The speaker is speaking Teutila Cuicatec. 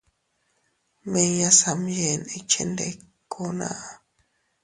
Miña Samyen ikchendikuna.